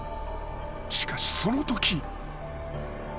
［しかしそのとき］